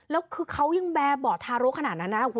แล้วคือเขายังแบร์บอดทารกขนาดนั้นนะ